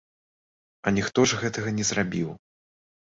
А ніхто ж гэтага не зрабіў.